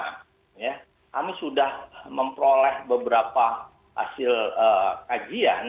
kami sudah memperoleh beberapa hasil kajian